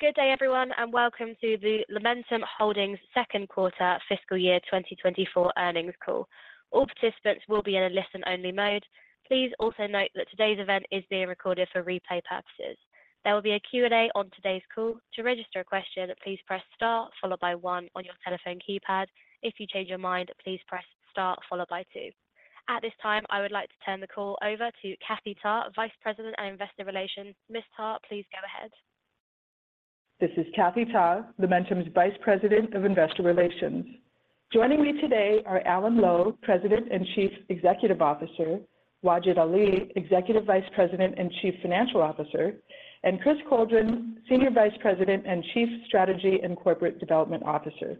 Good day, everyone, and welcome to the Lumentum Holdings second quarter fiscal year 2024 earnings call. All participants will be in a listen-only mode. Please also note that today's event is being recorded for replay purposes. There will be a Q&A on today's call. To register a question, please press star followed by one on your telephone keypad. If you change your mind, please press star followed by two. At this time, I would like to turn the call over to Kathy Ta, Vice President and Investor Relations. Ms. Ta, please go ahead. This is Kathy Ta, Lumentum's Vice President of Investor Relations. Joining me today are Alan Lowe, President and Chief Executive Officer, Wajid Ali, Executive Vice President and Chief Financial Officer, and Chris Coldren, Senior Vice President and Chief Strategy and Corporate Development Officer.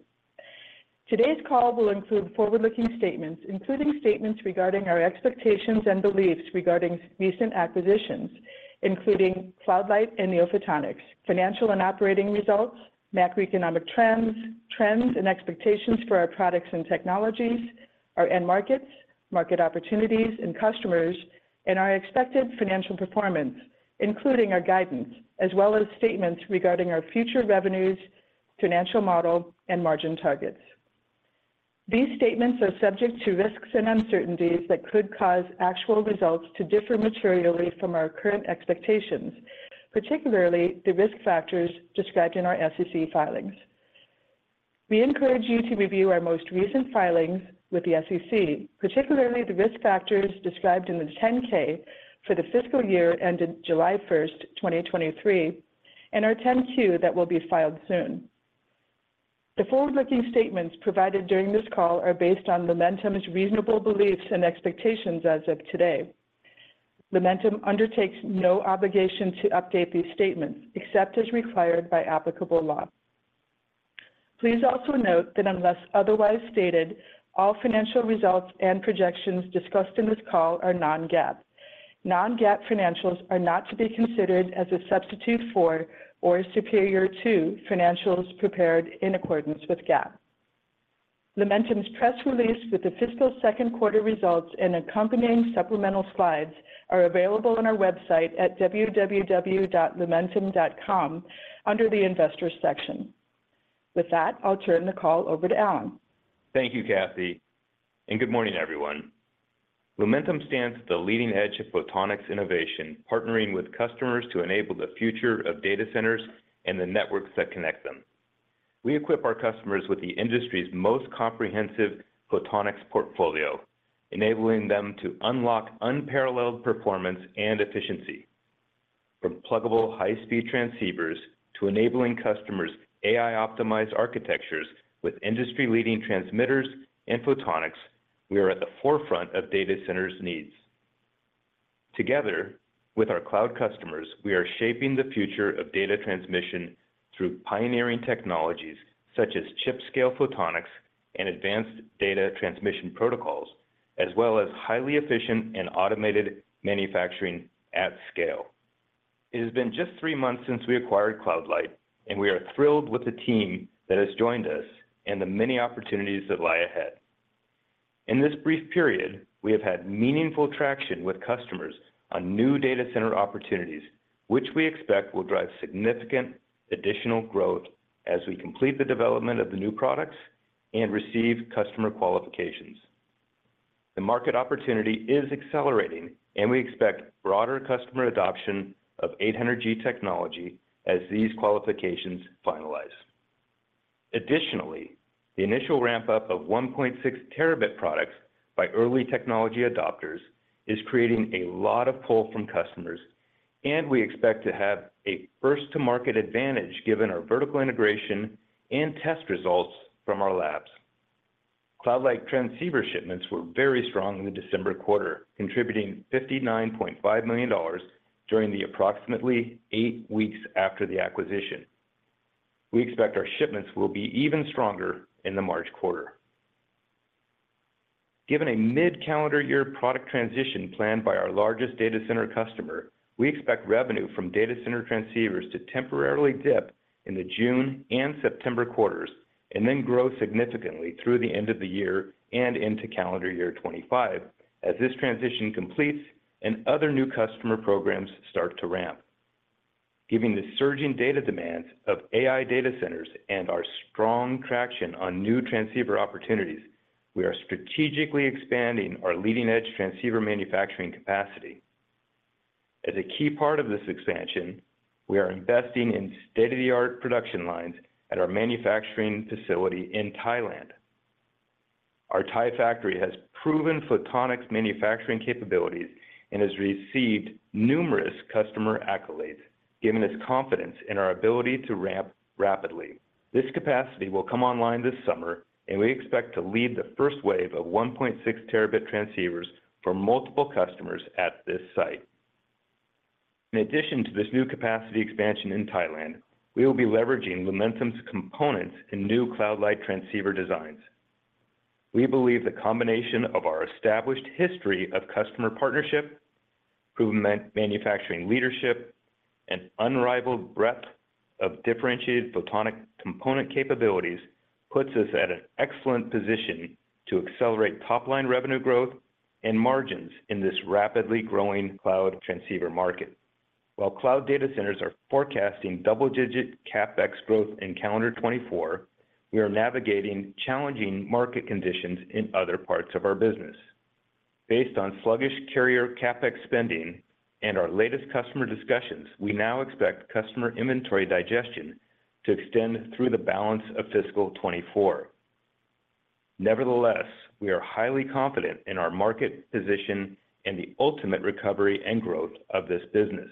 Today's call will include forward-looking statements, including statements regarding our expectations and beliefs regarding recent acquisitions, including CloudLight and NeoPhotonics, financial and operating results, macroeconomic trends, trends and expectations for our products and technologies, our end markets, market opportunities and customers, and our expected financial performance, including our guidance, as well as statements regarding our future revenues, financial model, and margin targets. These statements are subject to risks and uncertainties that could cause actual results to differ materially from our current expectations, particularly the risk factors described in our SEC filings. We encourage you to review our most recent filings with the SEC, particularly the risk factors described in the 10-K for the fiscal year ended July 1, 2023, and our 10-Q that will be filed soon. The forward-looking statements provided during this call are based on Lumentum's reasonable beliefs and expectations as of today. Lumentum undertakes no obligation to update these statements except as required by applicable law. Please also note that unless otherwise stated, all financial results and projections discussed in this call are non-GAAP. Non-GAAP financials are not to be considered as a substitute for or superior to financials prepared in accordance with GAAP. Lumentum's press release with the fiscal second quarter results and accompanying supplemental slides are available on our website at www.lumentum.com under the Investors section. With that, I'll turn the call over to Alan. Thank you, Kathy, and good morning, everyone. Lumentum stands at the leading edge of photonics innovation, partnering with customers to enable the future of data centers and the networks that connect them. We equip our customers with the industry's most comprehensive photonics portfolio, enabling them to unlock unparalleled performance and efficiency. From pluggable high-speed transceivers to enabling customers' AI-optimized architectures with industry-leading transmitters and photonics, we are at the forefront of data centers' needs. Together with our cloud customers, we are shaping the future of data transmission through pioneering technologies such as chip-scale photonics and advanced data transmission protocols, as well as highly efficient and automated manufacturing at scale. It has been just three months since we acquired CloudLight, and we are thrilled with the team that has joined us and the many opportunities that lie ahead. In this brief period, we have had meaningful traction with customers on new data center opportunities, which we expect will drive significant additional growth as we complete the development of the new products and receive customer qualifications. The market opportunity is accelerating, and we expect broader customer adoption of 800G technology as these qualifications finalize. Additionally, the initial ramp-up of 1.6 terabit products by early technology adopters is creating a lot of pull from customers, and we expect to have a first-to-market advantage given our vertical integration and test results from our labs. CloudLight transceiver shipments were very strong in the December quarter, contributing $59,500,000 during the approximately eight weeks after the acquisition. We expect our shipments will be even stronger in the March quarter. Given a mid-calendar year product transition planned by our largest data center customer, we expect revenue from data center transceivers to temporarily dip in the June and September quarters and then grow significantly through the end of the year and into calendar year 2025 as this transition completes and other new customer programs start to ramp. Given the surging data demands of AI data centers and our strong traction on new transceiver opportunities, we are strategically expanding our leading-edge transceiver manufacturing capacity. As a key part of this expansion, we are investing in state-of-the-art production lines at our manufacturing facility in Thailand. Our Thai factory has proven photonics manufacturing capabilities and has received numerous customer accolades, giving us confidence in our ability to ramp rapidly. This capacity will come online this summer, and we expect to lead the first wave of 1.6T transceivers for multiple customers at this site. In addition to this new capacity expansion in Thailand, we will be leveraging Lumentum's components in new CloudLight transceiver designs. We believe the combination of our established history of customer partnership, proven manufacturing leadership, and unrivaled breadth of differentiated photonic component capabilities puts us at an excellent position to accelerate top-line revenue growth... and margins in this rapidly growing cloud transceiver market. While cloud data centers are forecasting double-digit CapEx growth in calendar 2024, we are navigating challenging market conditions in other parts of our business. Based on sluggish carrier CapEx spending and our latest customer discussions, we now expect customer inventory digestion to extend through the balance of fiscal 2024. Nevertheless, we are highly confident in our market position and the ultimate recovery and growth of this business.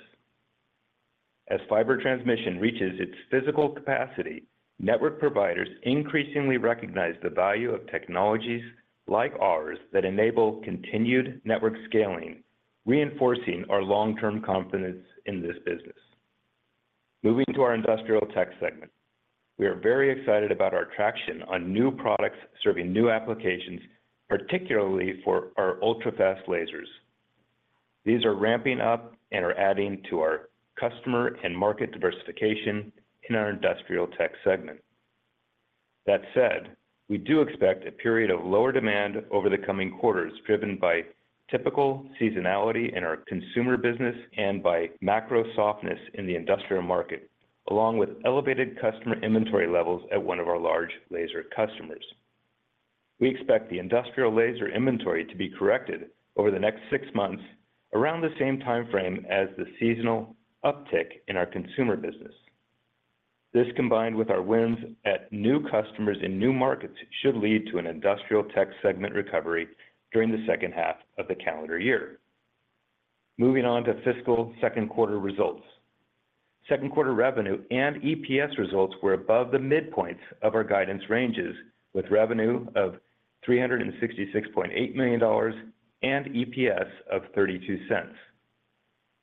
As fiber transmission reaches its physical capacity, network providers increasingly recognize the value of technologies like ours that enable continued network scaling, reinforcing our long-term confidence in this business. Moving to our Industrial Tech segment, we are very excited about our traction on new products serving new applications, particularly for our ultra-fast lasers. These are ramping up and are adding to our customer and market diversification in our Industrial Tech segment. That said, we do expect a period of lower demand over the coming quarters, driven by typical seasonality in our consumer business and by macro softness in the industrial market, along with elevated customer inventory levels at one of our large laser customers. We expect the industrial laser inventory to be corrected over the next six months, around the same timeframe as the seasonal uptick in our consumer business. This, combined with our wins at new customers in new markets, should lead to an Industrial Tech segment recovery during the second half of the calendar year. Moving on to fiscal second quarter results. Second quarter revenue and EPS results were above the midpoints of our guidance ranges, with revenue of $366,800,000 and EPS of $0.32.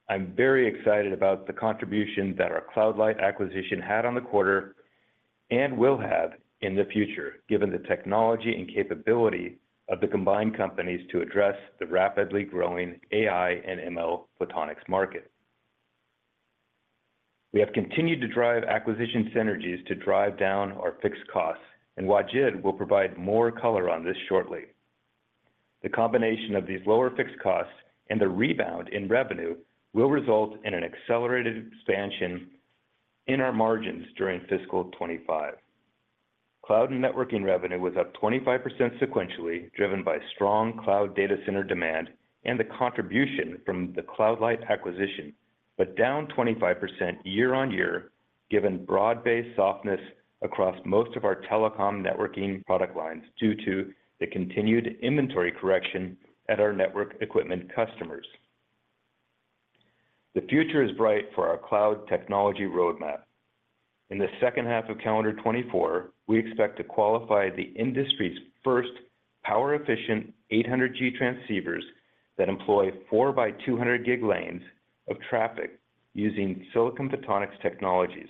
I'm very excited about the contribution that our CloudLight acquisition had on the quarter and will have in the future, given the technology and capability of the combined companies to address the rapidly growing AI and ML photonics market. We have continued to drive acquisition synergies to drive down our fixed costs, and Wajid will provide more color on this shortly. The combination of these lower fixed costs and the rebound in revenue will result in an accelerated expansion in our margins during fiscal 2025. Cloud and Networking revenue was up 25% sequentially, driven by strong cloud data center demand and the contribution from the CloudLight acquisition, but down 25% year-on-year, given broad-based softness across most of our telecom networking product lines due to the continued inventory correction at our network equipment customers. The future is bright for our cloud technology roadmap. In the second half of calendar 2024, we expect to qualify the industry's first power-efficient 800G transceivers that employ 4 by 200 gig lanes of traffic using Silicon Photonics technologies.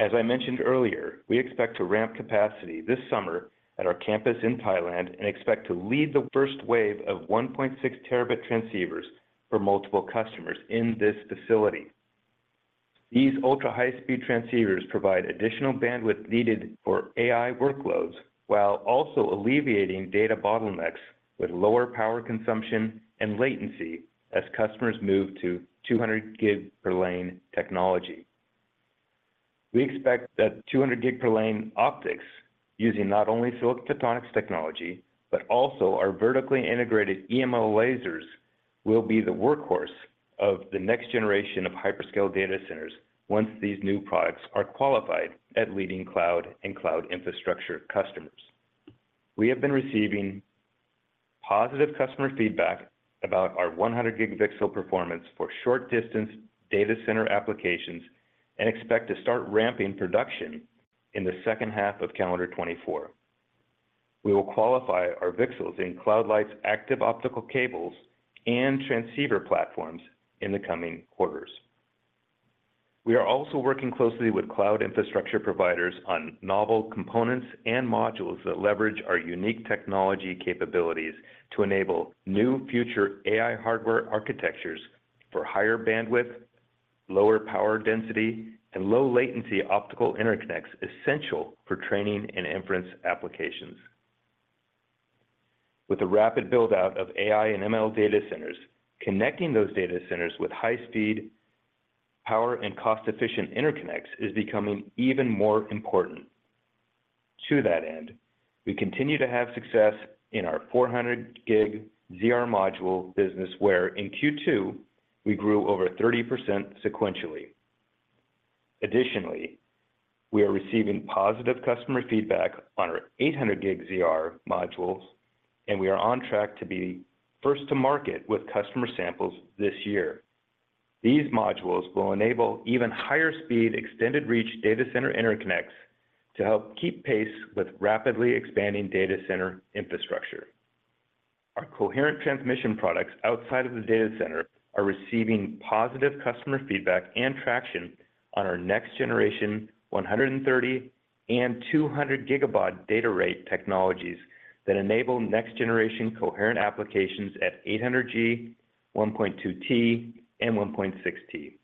As I mentioned earlier, we expect to ramp capacity this summer at our campus in Thailand and expect to lead the first wave of 1.6 terabit transceivers for multiple customers in this facility. These ultra-high-speed transceivers provide additional bandwidth needed for AI workloads while also alleviating data bottlenecks with lower power consumption and latency as customers move to 200 gig per lane technology. We expect that 200 gig per lane optics, using not only silicon photonics technology, but also our vertically integrated EML lasers, will be the workhorse of the next generation of hyperscale data centers once these new products are qualified at leading cloud and cloud infrastructure customers. We have been receiving positive customer feedback about our 100 gig VCSEL performance for short-distance data center applications and expect to start ramping production in the second half of calendar 2024. We will qualify our VCSELs in CloudLight's active optical cables and transceiver platforms in the coming quarters. We are also working closely with cloud infrastructure providers on novel components and modules that leverage our unique technology capabilities to enable new future AI hardware architectures for higher bandwidth, lower power density, and low latency optical interconnects essential for training and inference applications. With the rapid build-out of AI and ML data centers, connecting those data centers with high speed, power, and cost-efficient interconnects is becoming even more important. To that end, we continue to have success in our 400G ZR module business, where in Q2, we grew over 30% sequentially. Additionally, we are receiving positive customer feedback on our 800G ZR modules, and we are on track to be first to market with customer samples this year. These modules will enable even higher speed, extended reach data center interconnects to help keep pace with rapidly expanding data center infrastructure. Our coherent transmission products outside of the data center are receiving positive customer feedback and traction on our next generation, 130 and 200 gigabaud data rate technologies that enable next-generation coherent applications at 800G, 1.2T, and 1.6T....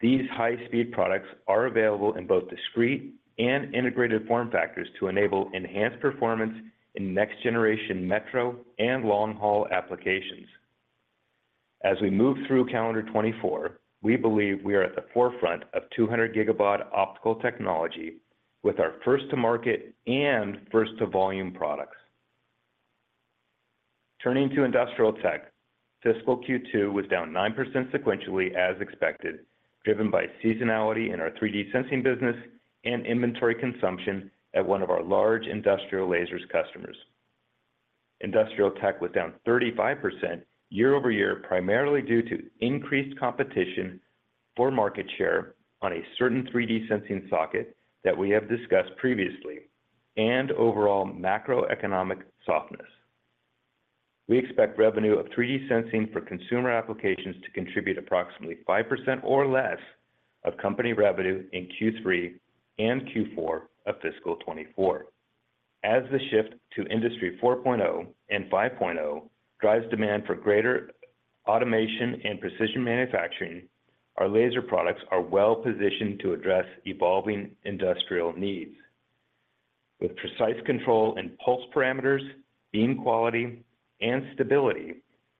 These high-speed products are available in both discrete and integrated form factors to enable enhanced performance in next-generation Metro and Long-Haul applications. As we move through calendar 2024, we believe we are at the forefront of 200 gigabyte optical technology with our first-to-market and first-to-volume products. Turning to Industrial Tech, fiscal Q2 was down 9% sequentially as expected, driven by seasonality in our 3D Sensing business and inventory consumption at one of our large industrial lasers customers. Industrial Tech was down 35% year over year, primarily due to increased competition for market share on a certain 3D sensing socket that we have discussed previously, and overall macroeconomic softness. We expect revenue of 3D sensing for consumer applications to contribute approximately 5% or less of company revenue in Q3 and Q4 of fiscal 2024. As the shift to Industry 4.0 and 5.0 drives demand for greater automation and precision manufacturing, our laser products are well-positioned to address evolving industrial needs. With precise control and pulse parameters, beam quality, and stability,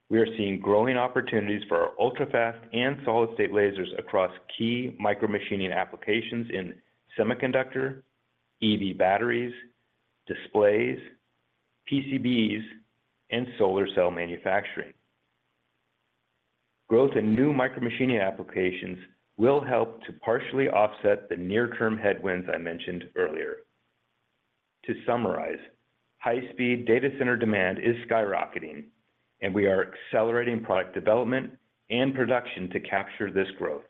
we are seeing growing opportunities for our ultra-fast and solid-state lasers across key micromachining applications in semiconductor, EV batteries, displays, PCBs, and solar cell manufacturing. Growth in new micromachining applications will help to partially offset the near-term headwinds I mentioned earlier. To summarize, high-speed data center demand is skyrocketing, and we are accelerating product development and production to capture this growth.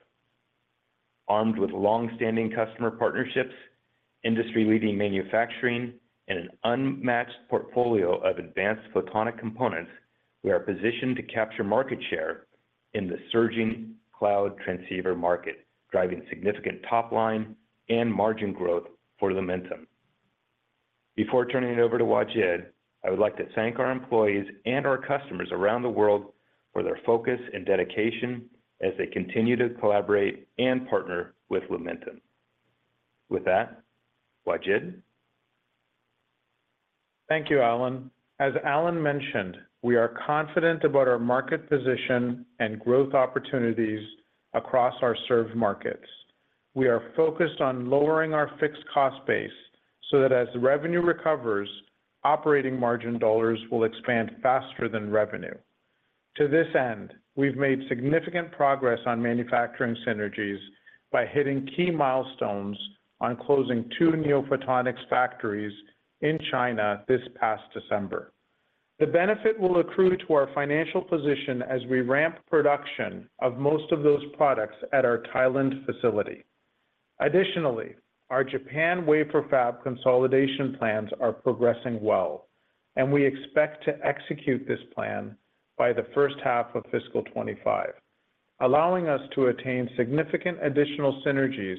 Armed with long-standing customer partnerships, industry-leading manufacturing, and an unmatched portfolio of advanced photonic components, we are positioned to capture market share in the surging cloud transceiver market, driving significant top line and margin growth for Lumentum. Before turning it over to Wajid, I would like to thank our employees and our customers around the world for their focus and dedication as they continue to collaborate and partner with Lumentum. With that, Wajid? Thank you, Alan. As Alan mentioned, we are confident about our market position and growth opportunities across our served markets. We are focused on lowering our fixed cost base so that as the revenue recovers, operating margin dollars will expand faster than revenue. To this end, we've made significant progress on manufacturing synergies by hitting key milestones on closing 2 NeoPhotonics factories in China this past December. The benefit will accrue to our financial position as we ramp production of most of those products at our Thailand facility. Additionally, our Japan wafer fab consolidation plans are progressing well, and we expect to execute this plan by the first half of fiscal 2025, allowing us to attain significant additional synergies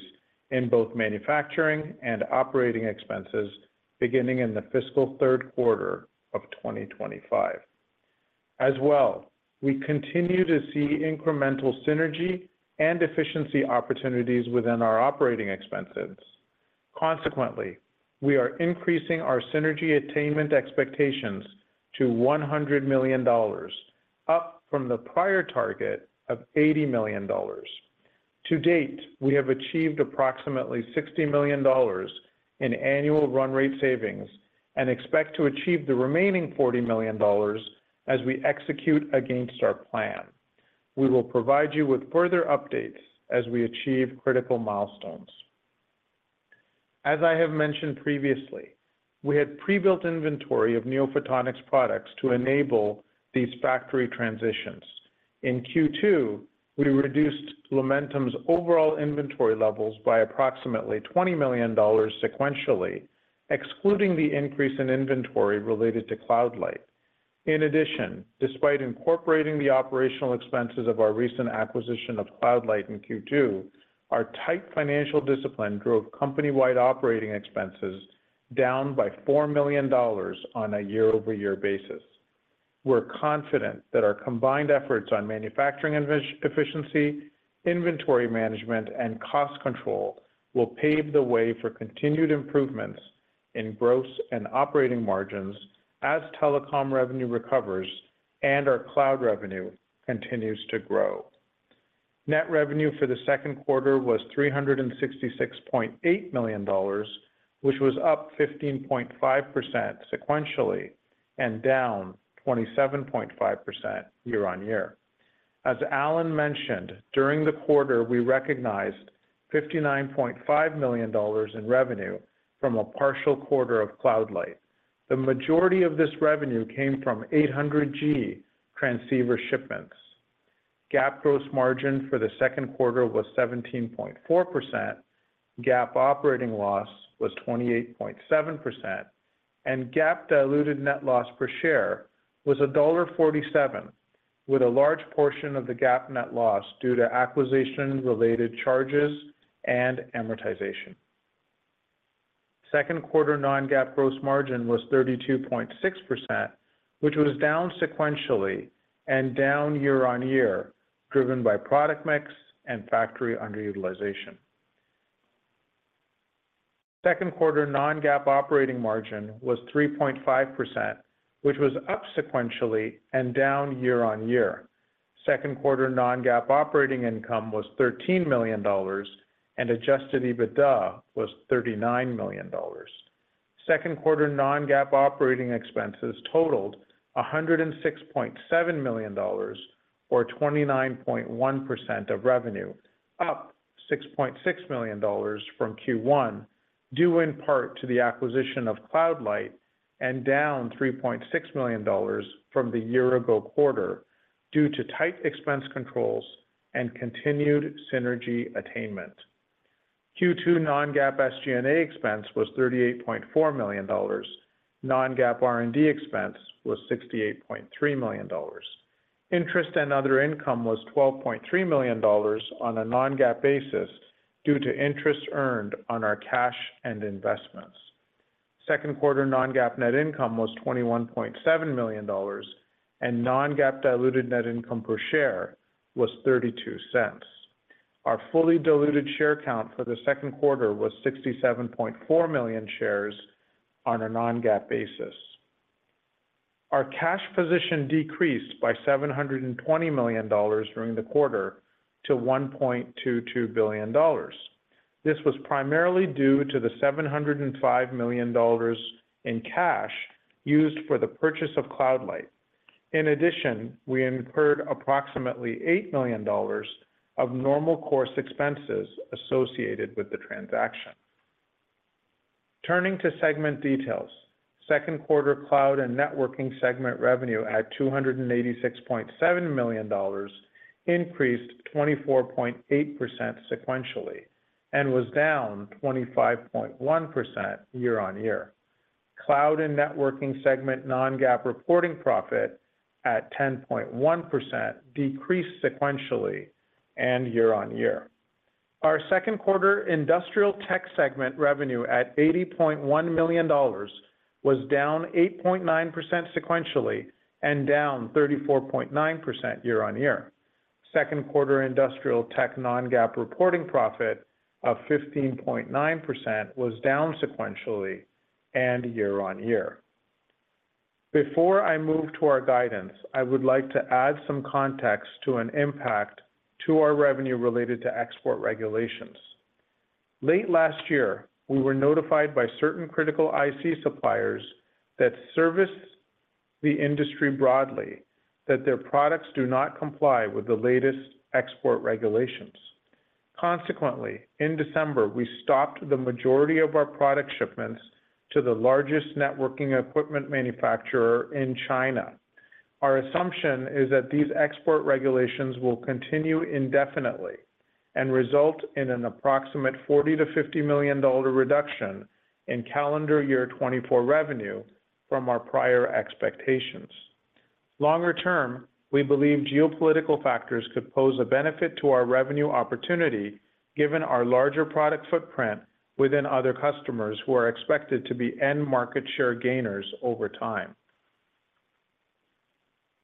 in both manufacturing and operating expenses beginning in the fiscal third quarter of 2025. As well, we continue to see incremental synergy and efficiency opportunities within our operating expenses. Consequently, we are increasing our synergy attainment expectations to $100,000,000, up from the prior target of $80,000,000. To date, we have achieved approximately $60,000,000 in annual run rate savings and expect to achieve the remaining $40,000,000 as we execute against our plan. We will provide you with further updates as we achieve critical milestones. As I have mentioned previously, we had pre-built inventory of NeoPhotonics products to enable these factory transitions. In Q2, we reduced Lumentum's overall inventory levels by approximately $20,000,000 sequentially, excluding the increase in inventory related to CloudLight. In addition, despite incorporating the operational expenses of our recent acquisition of CloudLight in Q2, our tight financial discipline drove company-wide operating expenses down by $4,000,000 on a year-over-year basis. We're confident that our combined efforts on manufacturing efficiency, inventory management, and cost control will pave the way for continued improvements in gross and operating margins as telecom revenue recovers and our cloud revenue continues to grow. Net revenue for the second quarter was $366,800,000, which was up 15.5% sequentially and down 27.5% year-over-year. As Alan mentioned, during the quarter, we recognized $59,500,000 in revenue from a partial quarter of CloudLight. The majority of this revenue came from 800G transceiver shipments. GAAP gross margin for the second quarter was 17.4%, GAAP operating loss was 28.7%, and GAAP diluted net loss per share was $1.47, with a large portion of the GAAP net loss due to acquisition-related charges and amortization. Second quarter non-GAAP gross margin was 32.6%, which was down sequentially and down year-on-year, driven by product mix and factory underutilization. Second quarter non-GAAP operating margin was 3.5%, which was up sequentially and down year-on-year. Second quarter non-GAAP operating income was $13,000,000, and adjusted EBITDA was $39,000,000. Second quarter non-GAAP operating expenses totaled $106,700,000 or 29.1% of revenue, up $6,600,000 from Q1, due in part to the acquisition of CloudLight, and down $3,600,000 from the year ago quarter, due to tight expense controls and continued synergy attainment. Q2 non-GAAP SG&A expense was $38,400,000. Non-GAAP R&D expense was $68,300,000. Interest and other income was $12,300,000 on a non-GAAP basis due to interest earned on our cash and investments. Second quarter non-GAAP net income was $21,700,000, and non-GAAP diluted net income per share was $0.32. Our fully diluted share count for the second quarter was 67,400,000 shares on a non-GAAP basis. Our cash position decreased by $720,000,000 during the quarter to $1,220,000,000. This was primarily due to the $705,000,000 in cash used for the purchase of CloudLight. In addition, we incurred approximately $8,000,000 of normal course expenses associated with the transaction. Turning to segment details. Second quarter Cloud and Networking segment revenue at $286.,700,000, increased 24.8% sequentially and was down 25.1% year-on-year. Cloud and Networking segment non-GAAP reporting profit at 10.1% decreased sequentially and year-on-year. Our second quarter Industrial Tech segment revenue at $80.,100,000 was down 8.9% sequentially and down 34.9% year-on-year. Second quarter Industrial Tech non-GAAP reporting profit of 15.9% was down sequentially and year-on-year. Before I move to our guidance, I would like to add some context to an impact to our revenue related to export regulations. Late last year, we were notified by certain critical IC suppliers that service the industry broadly, that their products do not comply with the latest export regulations. Consequently, in December, we stopped the majority of our product shipments to the largest networking equipment manufacturer in China. Our assumption is that these export regulations will continue indefinitely and result in an approximate $40,000,000-$50,000,000 reduction in calendar year 2024 revenue from our prior expectations. Longer term, we believe geopolitical factors could pose a benefit to our revenue opportunity, given our larger product footprint within other customers who are expected to be end market share gainers over time.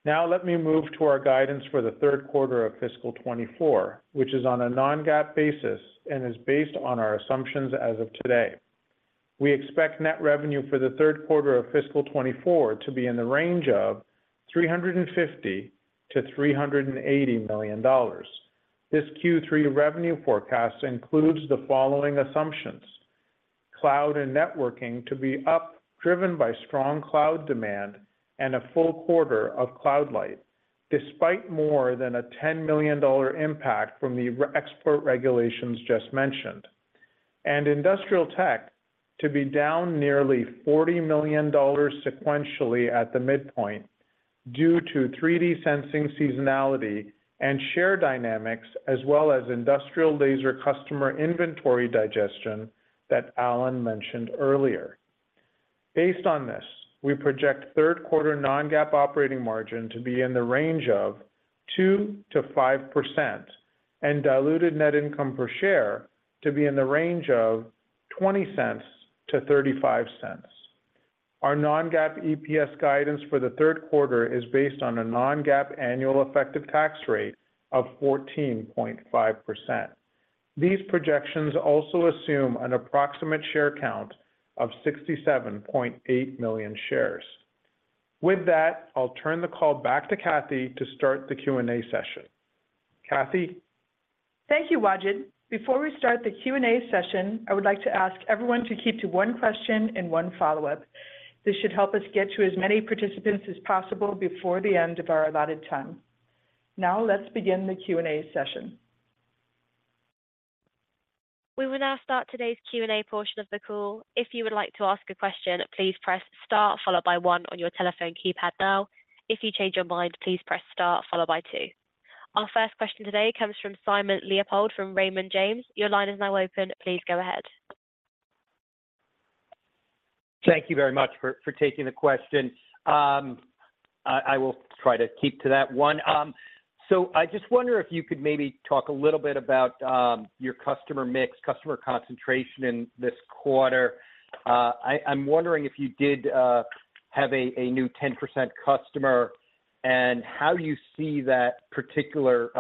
Now, let me move to our guidance for the third quarter of fiscal 2024, which is on a Non-GAAP basis and is based on our assumptions as of today. We expect net revenue for the third quarter of fiscal 2024 to be in the range of $350,000,000-$380,000,000. This Q3 revenue forecast includes the following assumptions: Cloud and Networking to be up, driven by strong cloud demand and a full quarter of CloudLight, despite more than a $10,000,000 impact from the recent export regulations just mentioned. Industrial Tech to be down nearly $40,000,000 sequentially at the midpoint, due to 3D sensing seasonality and share dynamics, as well as industrial laser customer inventory digestion that Alan mentioned earlier. Based on this, we project third quarter non-GAAP operating margin to be in the range of 2%-5% and diluted net income per share to be in the range of $0.20-$0.35. Our non-GAAP EPS guidance for the third quarter is based on a non-GAAP annual effective tax rate of 14.5%. These projections also assume an approximate share count of 67,800,000 shares. With that, I'll turn the call back to Kathy to start the Q&A session. Kathy? Thank you, Wajid. Before we start the Q&A session, I would like to ask everyone to keep to one question and one follow-up. This should help us get to as many participants as possible before the end of our allotted time. Now, let's begin the Q&A session. We will now start today's Q&A portion of the call. If you would like to ask a question, please press star followed by one on your telephone keypad now. If you change your mind, please press star followed by two. Our first question today comes from Simon Leopold, from Raymond James. Your line is now open. Please go ahead.... Thank you very much for taking the question. I will try to keep to that one. So I just wonder if you could maybe talk a little bit about your customer mix, customer concentration in this quarter. I'm wondering if you did have a new 10% customer, and how you see that particular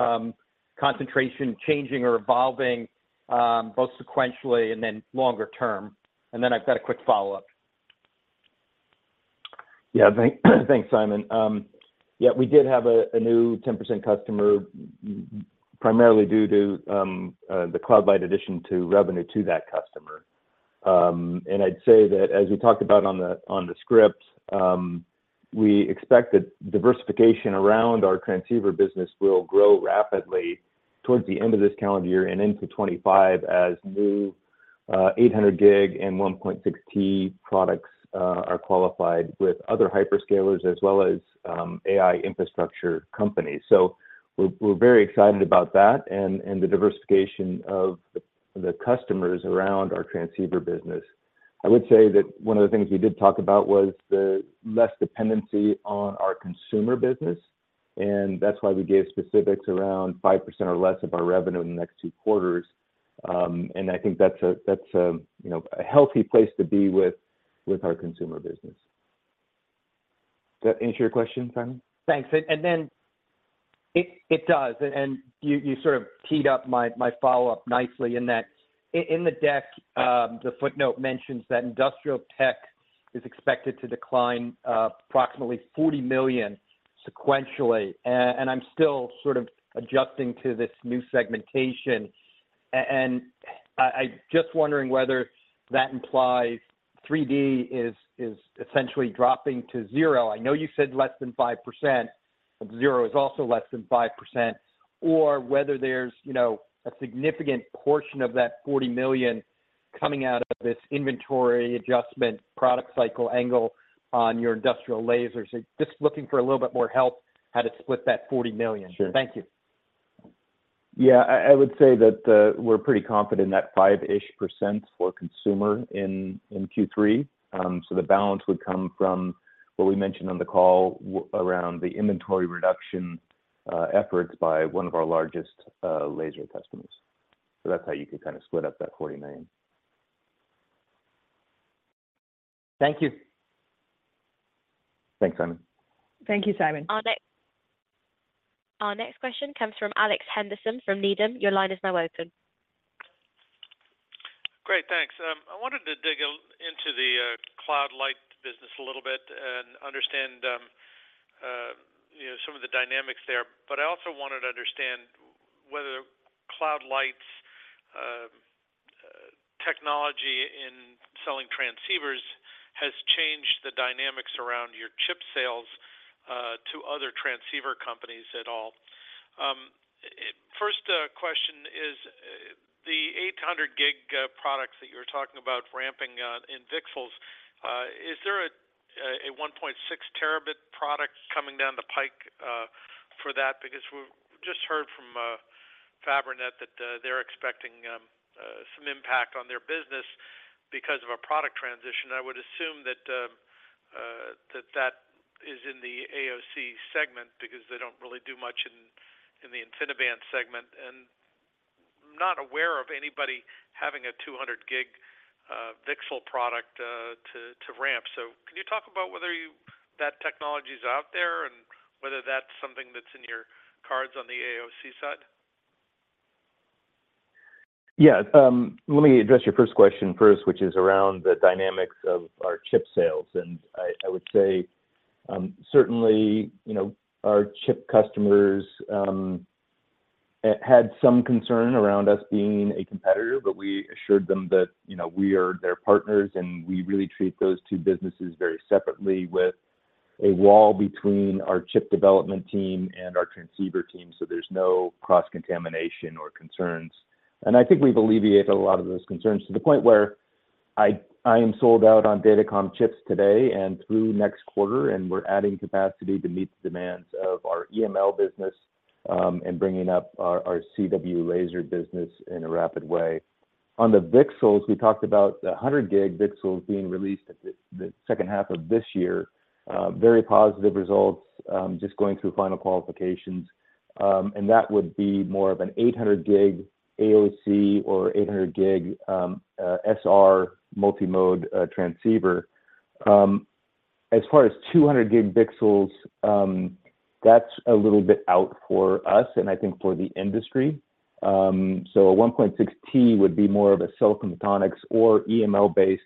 concentration changing or evolving both sequentially and then longer term. And then I've got a quick follow-up. Yeah. Thanks, Simon. Yeah, we did have a new 10% customer, primarily due to the CloudLight addition to revenue to that customer. And I'd say that as we talked about on the script, we expect that diversification around our transceiver business will grow rapidly towards the end of this calendar year and into 25 as new 800 gig and 1.6 T products are qualified with other hyperscalers as well as AI infrastructure companies. So we're very excited about that and the diversification of the customers around our transceiver business. I would say that one of the things we did talk about was the less dependency on our consumer business, and that's why we gave specifics around 5% or less of our revenue in the next two quarters. And I think that's a you know a healthy place to be with our consumer business. Does that answer your question, Simon? Thanks. You sort of teed up my follow-up nicely in that, in the deck, the footnote mentions that Industrial Tech is expected to decline approximately $40,000,000 sequentially. And I'm still sort of adjusting to this new segmentation. I just wondering whether that implies 3D is essentially dropping to zero. I know you said less than 5%, but zero is also less than 5%. Or whether there's, you know, a significant portion of that $40,000,000 coming out of this inventory adjustment product cycle angle on your industrial lasers. Just looking for a little bit more help how to split that $40,000,000. Sure. Thank you. Yeah, I would say that we're pretty confident that 5%-ish for consumer in Q3. So the balance would come from what we mentioned on the call with around the inventory reduction efforts by one of our largest laser customers. So that's how you could kinda split up that $40,000,000. Thank you. Thanks, Simon. Thank you, Simon. Our next question comes from Alex Henderson from Needham. Your line is now open. Great, thanks. I wanted to dig into the CloudLight business a little bit and understand, you know, some of the dynamics there. But I also wanted to understand whether CloudLight's technology in selling transceivers has changed the dynamics around your chip sales to other transceiver companies at all. First question is the 800 gig products that you were talking about ramping in VCSELs, is there a 1.6 terabit product coming down the pike for that? Because we've just heard from Fabrinet that they're expecting some impact on their business because of a product transition. I would assume that that is in the AOC segment because they don't really do much in the InfiniBand segment, and I'm not aware of anybody having a 200 gig VCSEL product to ramp. So can you talk about whether you-- that technology is out there and whether that's something that's in your cards on the AOC side? Yeah. Let me address your first question first, which is around the dynamics of our chip sales. And I would say, certainly, you know, our chip customers had some concern around us being a competitor, but we assured them that, you know, we are their partners, and we really treat those two businesses very separately with a wall between our chip development team and our transceiver team, so there's no cross-contamination or concerns. And I think we've alleviated a lot of those concerns to the point where I am sold out on datacom chips today and through next quarter, and we're adding capacity to meet the demands of our EML business, and bringing up our CW laser business in a rapid way. On the VCSELs, we talked about the 100G VCSELs being released at the second half of this year. Very positive results, just going through final qualifications. That would be more of an 800G AOC or 800G SR multi-mode transceiver. As far as 200G VCSELs, that's a little bit out for us and I think for the industry. A 1.6T would be more of a silicon photonics or EML-based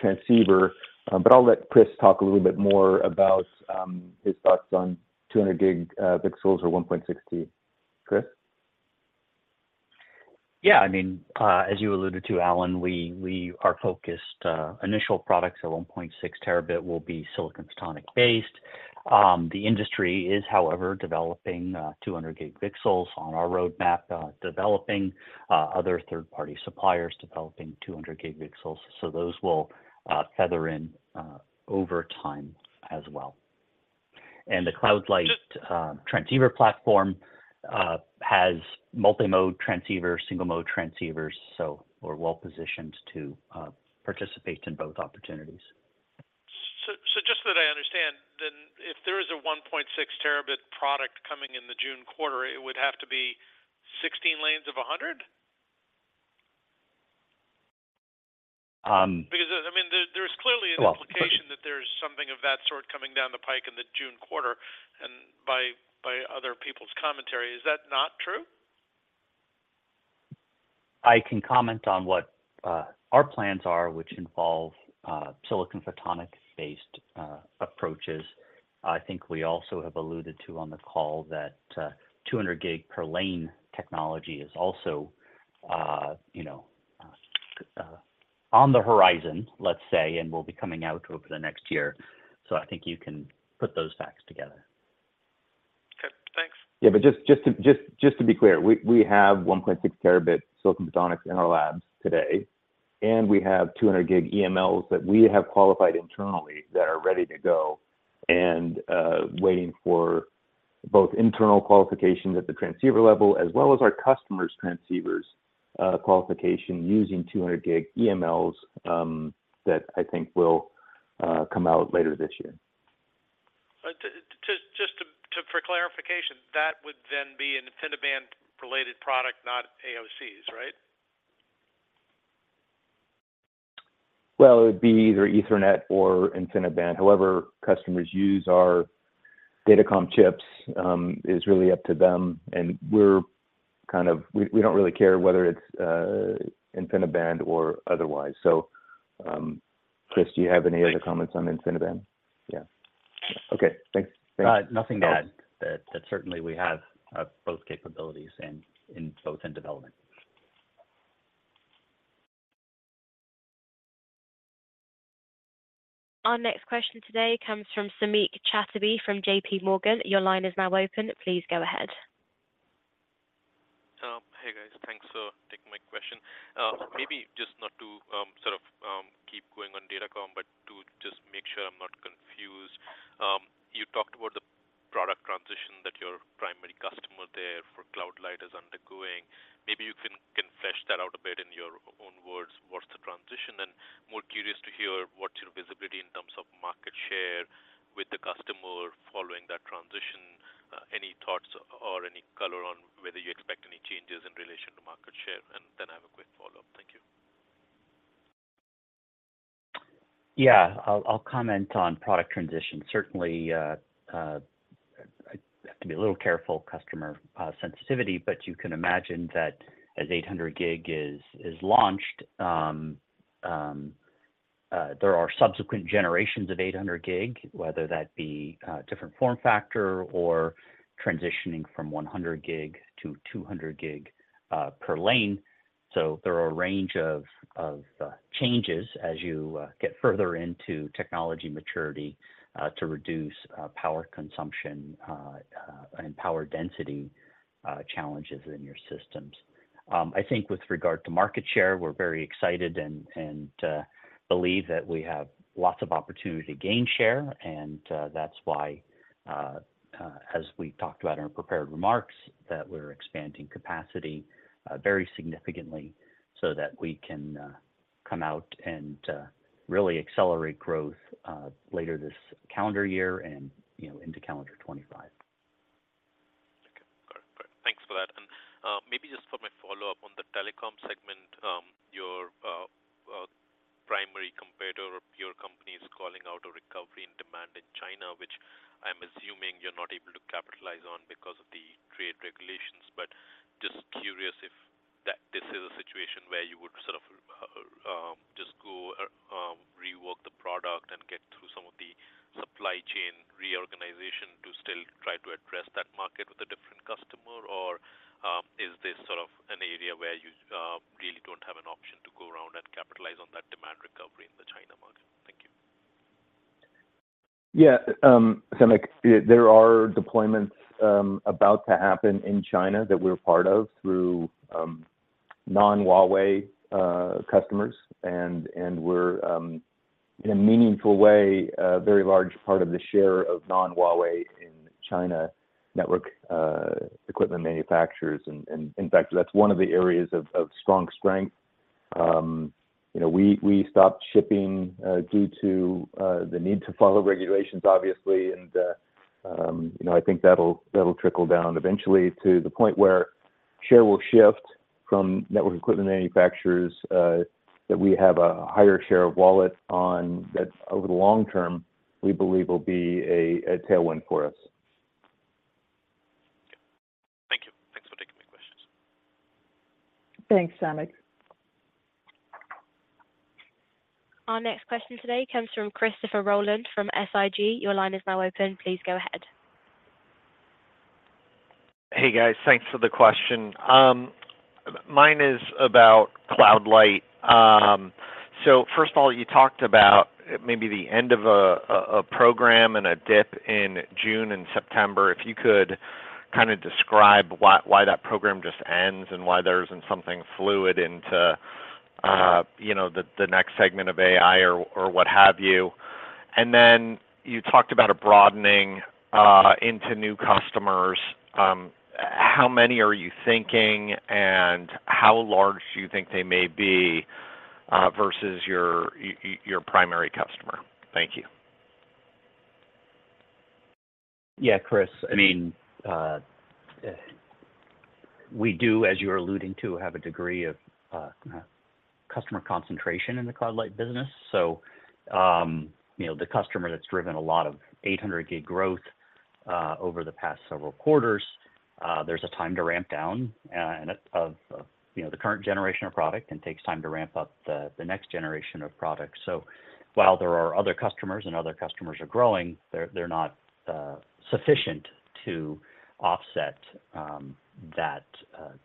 transceiver. I'll let Chris talk a little bit more about his thoughts on 200G VCSELs or 1.6T. Chris? Yeah, I mean, as you alluded to, Alan, we, we are focused. Initial products at 1.6 terabit will be silicon photonics-based. The industry is, however, developing 200 gig VCSELs on our roadmap, developing other third-party suppliers, developing 200 gig VCSELs. So those will feather in over time as well, and the CloudLight transceiver platform has multi-mode transceiver, single-mode transceivers, so we're well positioned to participate in both opportunities. So, just so that I understand, then, if there is a 1.6 terabit product coming in the June quarter, it would have to be 16 lanes of 100? Um- Because, I mean, there's clearly an- Well- Implication that there's something of that sort coming down the pike in the June quarter, and by other people's commentary, is that not true? I can comment on what our plans are, which involve silicon photonics-based approaches. I think we also have alluded to on the call that 200 gig per lane technology is also you know on the horizon, let's say, and will be coming out over the next year. So I think you can put those facts together. Okay. Thanks. Yeah, but just to be clear, we have 1.6 terabit silicon photonics in our labs today, and we have 200 gig EMLs that we have qualified internally that are ready to go and waiting for both internal qualifications at the transceiver level, as well as our customers' transceivers qualification using 200 gig EMLs, that I think will come out later this year. But just for clarification, that would then be an InfiniBand related product, not AOCs, right? Well, it would be either Ethernet or InfiniBand. However, customers use our datacom chips is really up to them, and we're kind of we don't really care whether it's InfiniBand or otherwise. So, Chris, do you have any other comments on InfiniBand? Yeah. Okay, thanks. Nothing to add. But certainly we have both capabilities and in both in development. Our next question today comes from Samik Chatterjee from JP Morgan. Your line is now open. Please go ahead. Hey, guys. Thanks for taking my question. Maybe just not to sort of keep going on datacom, but to just make sure I'm not confused. You talked about the product transition that your primary customer there for CloudLight is undergoing. Maybe you can flesh that out a bit in your own words, what's the transition? And more curious to hear what's your visibility in terms of market share with the customer following that transition. Any thoughts or any color on whether you expect any changes in relation to market share? And then I have a quick follow-up. Thank you. Yeah. I'll, I'll comment on product transition. Certainly, I have to be a little careful, customer sensitivity, but you can imagine that as 800 gig is, is launched, there are subsequent generations of 800 gig, whether that be a different form factor or transitioning from 100 gig to 200 gig, per lane. So there are a range of changes as you get further into technology maturity, to reduce power consumption and power density challenges in your systems. I think with regard to market share, we're very excited and believe that we have lots of opportunity to gain share, and that's why, as we talked about in our prepared remarks, that we're expanding capacity very significantly so that we can come out and really accelerate growth later this calendar year and, you know, into calendar 2025. Okay, correct. Thanks for that. And maybe just for my follow-up on the telecom segment, your primary competitor, your company is calling out a recovery in demand in China, which I'm assuming you're not able to capitalize on because of the trade regulations. But just curious if that this is a situation where you would sort of just go rework the product and get through some of the supply chain reorganization to still try to address that market with a different customer? Or is this sort of an area where you really don't have an option to go around and capitalize on that demand recovery in the China market? Thank you. Yeah, Samik, there are deployments about to happen in China that we're part of through non-Huawei customers, and we're in a meaningful way, a very large part of the share of non-Huawei in China network equipment manufacturers. And in fact, that's one of the areas of strong strength. You know, we stopped shipping due to the need to follow regulations, obviously, and you know, I think that'll trickle down eventually to the point where share will shift from network equipment manufacturers that we have a higher share of wallet on, that over the long term, we believe will be a tailwind for us. Thank you. Thanks for taking my questions. Thanks, Samik. Our next question today comes from Christopher Roland from SIG. Your line is now open. Please go ahead. Hey, guys. Thanks for the question. Mine is about CloudLight. So first of all, you talked about maybe the end of a program and a dip in June and September. If you could kinda describe why that program just ends and why there isn't something fluid into you know, the next segment of AI or what have you. And then you talked about a broadening into new customers. How many are you thinking, and how large do you think they may be versus your primary customer? Thank you. Yeah, Chris, I mean, we do, as you're alluding to, have a degree of customer concentration in the CloudLight business. So, you know, the customer that's driven a lot of 800 gig growth over the past several quarters, there's a time to ramp down, and of you know, the current generation of product, and takes time to ramp up the next generation of products. So while there are other customers, and other customers are growing, they're not sufficient to offset that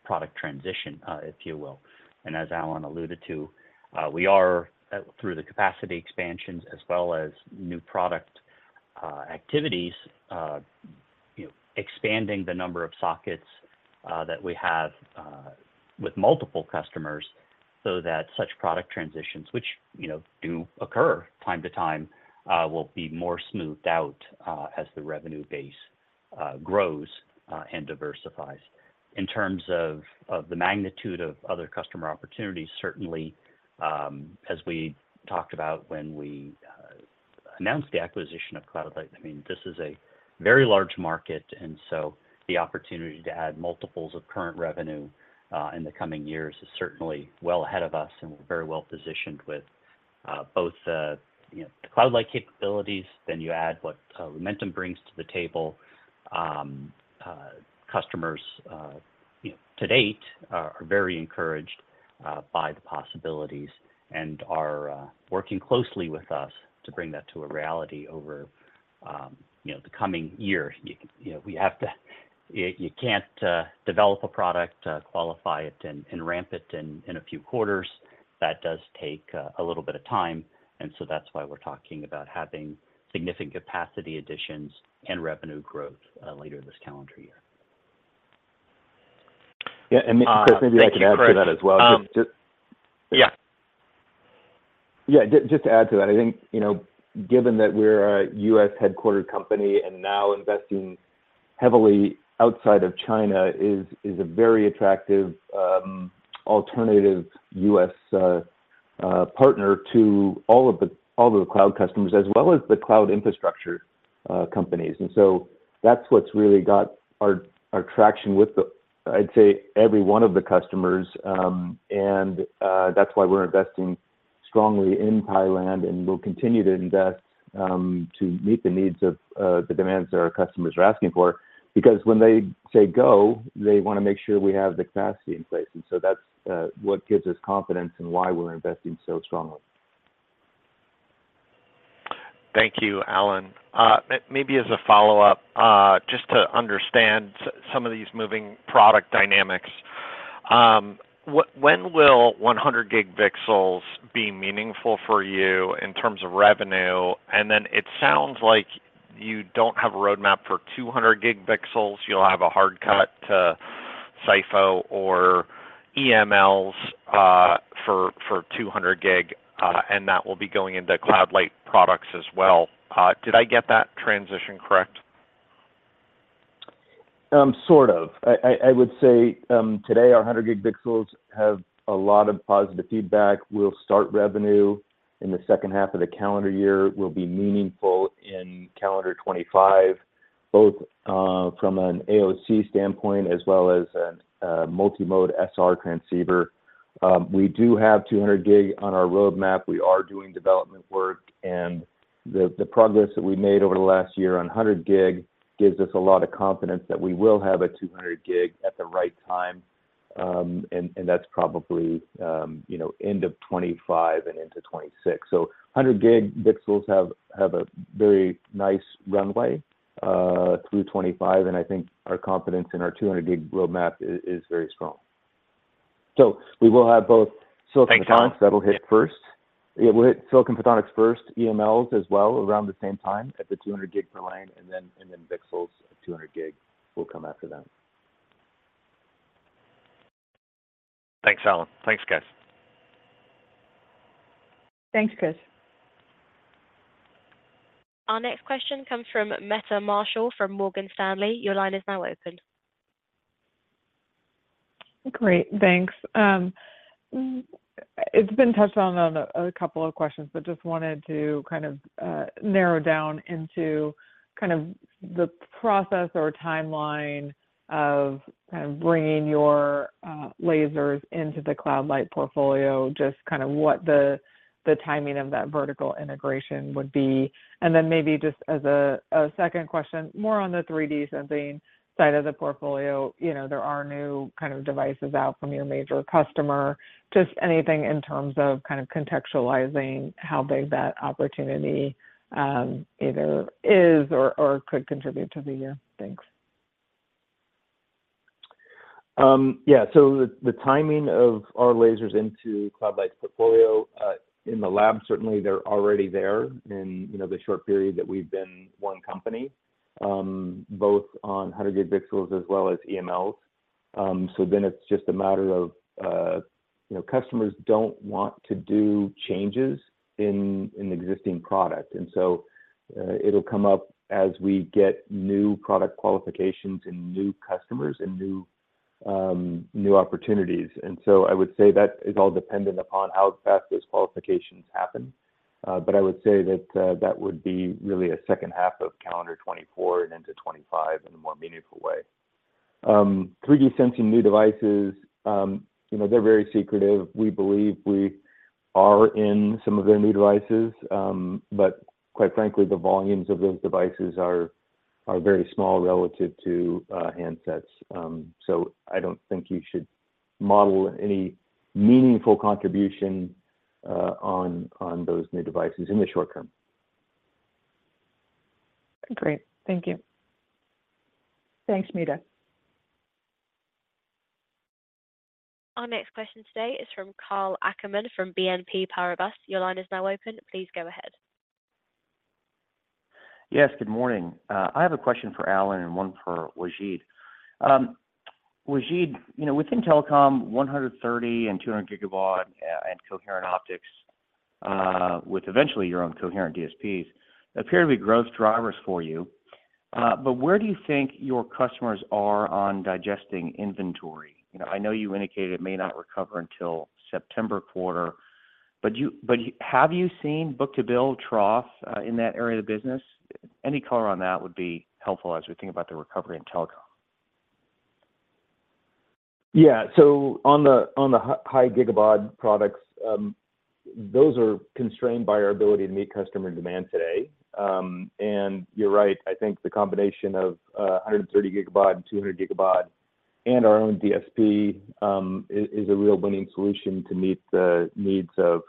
product transition, if you will. And as Alan alluded to, we are through the capacity expansions as well as new product activities, you know, expanding the number of sockets that we have with multiple customers, so that such product transitions, which, you know, do occur time to time, will be more smoothed out as the revenue base grows and diversifies. In terms of the magnitude of other customer opportunities, certainly, as we talked about when we announced the acquisition of CloudLight, I mean, this is a very large market, and so the opportunity to add multiples of current revenue in the coming years is certainly well ahead of us, and we're very well positioned with both the, you know, CloudLight capabilities, then you add what Lumentum brings to the table. Customers, you know, to date, are very encouraged by the possibilities and are working closely with us to bring that to a reality over, you know, the coming year. You know, we have to – you can't develop a product, qualify it, and ramp it in a few quarters. That does take a little bit of time, and so that's why we're talking about having significant capacity additions and revenue growth later this calendar year. Thank you, Chris. Yeah, and Chris, maybe I can add to that as well. Just- Yeah. Yeah, just, just to add to that, I think, you know, given that we're a U.S.-headquartered company and now investing heavily outside of China is, is a very attractive alternative U.S. partner to all of the, all of the cloud customers, as well as the cloud infrastructure companies. And so that's what's really got our, our traction with the, I'd say, every one of the customers. And that's why we're investing strongly in Thailand, and we'll continue to invest to meet the needs of the demands that our customers are asking for. Because when they say go, they wanna make sure we have the capacity in place, and so that's what gives us confidence in why we're investing so strongly. Thank you, Alan. Maybe as a follow-up, just to understand some of these moving product dynamics, when will 100 gig VCSELs be meaningful for you in terms of revenue? And then it sounds like you don't have a roadmap for 200 gig VCSELs. You'll have a hard cut to SiPho or EMLs, for 200 gig, and that will be going into CloudLight products as well. Did I get that transition correct? Sort of. I would say, today, our 100 gig VCSELs have a lot of positive feedback. We'll start revenue in the second half of the calendar year, will be meaningful in calendar 2025, both from an AOC standpoint as well as an multi-mode SR transceiver. We do have 200 gig on our roadmap. We are doing development work, and the progress that we made over the last year on 100 gig gives us a lot of confidence that we will have a 200 gig at the right time. And that's probably, you know, end of 2025 and into 2026. So 100 gig VCSELs have a very nice runway through 2025, and I think our confidence in our 200 gig roadmap is very strong. So we will have both silicon photonics- Thanks, Alan... that'll hit first. Yeah, we'll hit Silicon Photonics first, EMLs as well, around the same time at the 200 gig per lane, and then, and then VCSELs at 200 gig will come after that. Thanks, Alan. Thanks, guys. Thanks, Chris. Our next question comes from Meta Marshall from Morgan Stanley. Your line is now open. Great, thanks. It's been touched on in a couple of questions, but just wanted to kind of narrow down into kind of the process or timeline of kind of bringing your lasers into the CloudLight portfolio. Just kind of what the timing of that vertical integration would be. And then maybe just as a second question, more on the 3D sensing side of the portfolio. You know, there are new kind of devices out from your major customer. Just anything in terms of kind of contextualizing how big that opportunity either is or could contribute to the year. Thanks. Yeah. So the, the timing of our lasers into CloudLight's portfolio in the lab, certainly they're already there in, you know, the short period that we've been one company, both on 100 gig VCSELs as well as EMLs. So then it's just a matter of, you know, customers don't want to do changes in, in existing product. And so, it'll come up as we get new product qualifications and new customers and new, new opportunities. And so I would say that is all dependent upon how fast those qualifications happen. But I would say that, that would be really a second half of calendar 2024 and into 2025 in a more meaningful way. 3D sensing new devices, you know, they're very secretive. We believe we are in some of their new devices, but quite frankly, the volumes of those devices are very small relative to handsets. So I don't think you should model any meaningful contribution on those new devices in the short term. Great. Thank you. Thanks, Meta. Our next question today is from Carl Ackerman from BNP Paribas. Your line is now open. Please go ahead. Yes, good morning. I have a question for Alan and one for Wajid. Wajid, you know, within telecom, 130 and 200 Gigabaud and coherent optics, with eventually your own coherent DSPs, appear to be growth drivers for you. But where do you think your customers are on digesting inventory? You know, I know you indicated it may not recover until September quarter, but have you seen book-to-bill trough in that area of the business? Any color on that would be helpful as we think about the recovery in telecom. Yeah. So on the high gigabaud products, those are constrained by our ability to meet customer demand today. And you're right, I think the combination of 130 gigabaud and 200 gigabaud and our own DSP is a real winning solution to meet the needs of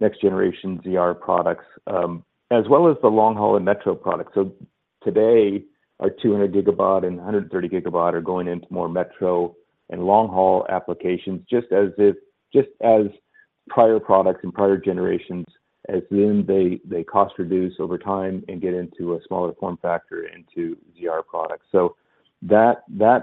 next generation ZR products, as well as the long haul and metro products. So today, our 200 gigabaud and 130 gigabaud are going into more metro and long haul applications, just as prior products and prior generations, as then they cost reduce over time and get into a smaller form factor into ZR products. So that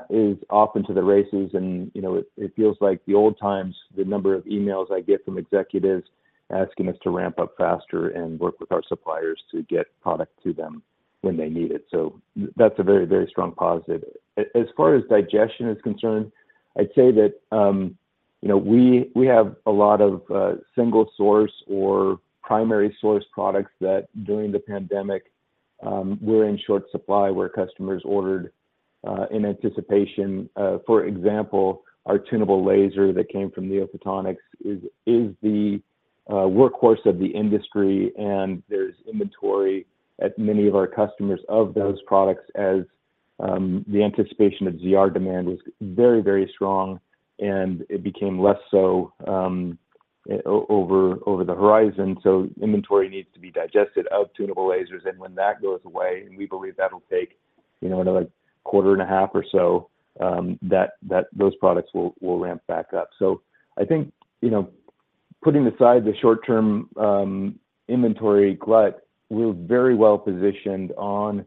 is off into the races, and, you know, it feels like the old times, the number of emails I get from executives asking us to ramp up faster and work with our suppliers to get product to them when they need it. So that's a very, very strong positive. As far as digestion is concerned, I'd say that, you know, we have a lot of single source or primary source products that during the pandemic were in short supply, where customers ordered in anticipation. For example, our tunable laser that came from NeoPhotonics is the workhorse of the industry, and there's inventory at many of our customers of those products as the anticipation of ZR demand was very, very strong, and it became less so over the horizon. So inventory needs to be digested out of Tunable Lasers, and when that goes away, and we believe that'll take, you know, another quarter and a half or so, that those products will ramp back up. So I think, you know, putting aside the short term, inventory glut, we're very well positioned on